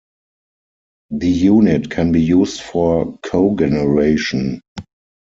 The unit can be used for cogeneration.